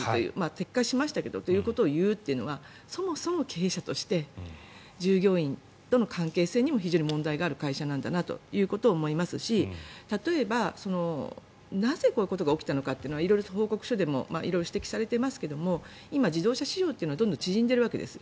撤回しましたけどそういうことを言うというのはそもそも経営者として従業員との関係性というのも非常に問題がある会社なんだということを思いますし例えば、なぜこういうことが起きたのかというのは報告書でも色々指摘されてますけど今、自動車市場というのはどんどん縮んでいるわけです。